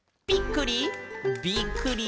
「びっくり！